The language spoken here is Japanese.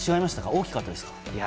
大きかったですか？